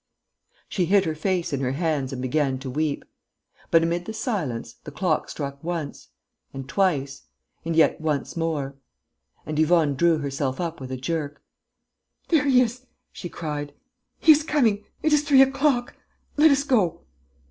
She hid her face in her hands and began to weep. But, amid the silence, the clock struck once ... and twice ... and yet once more. And Yvonne drew herself up with a jerk: "There he is!" she cried. "He is coming!... It is three o'clock!... Let us go!..."